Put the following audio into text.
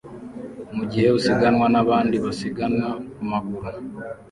mugihe usiganwa nabandi basiganwa ku maguru